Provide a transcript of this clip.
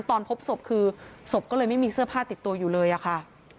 ตอนพบศพคือศพก็เลยไม่มีเสื้อผ้าติดตัวอยู่เลยอะค่ะ